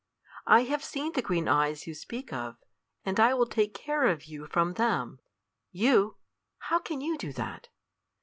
I have seen the green eyes you speak of, and I will take care of you from them." "You! How can you do that?